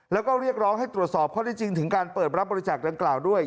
แล้วก็เรียกร้องให้ตรวจสอบข้อได้จริงถึงการเปิดรับบริจาคดังกล่าวด้วย